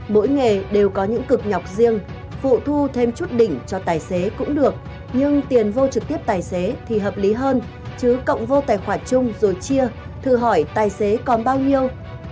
mỗi nghề đều có những cực nhọc riêng phụ thu thêm chút đỉnh cho tài xế cũng được nhưng tiền vô trực tiếp tài xế thì hợp lý hơn chứ cộng vô tài khoản chung rồi chia thư hỏi tài xế còn bao nhiêu